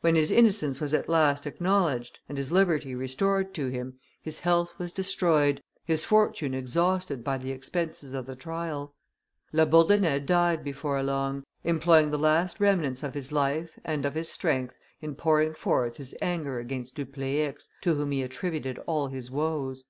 When his innocence was at last acknowledged and his liberty restored to him, his health was destroyed, his fortune exhausted by the expenses of the trial. La Bourdonnais died before long, employing the last remnants of his life and of his strength in pouring forth his anger against Dupleix, to whom he attributed all his woes.